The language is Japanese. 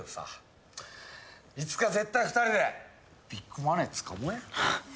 いつか絶対２人でビッグマネーつかもうや。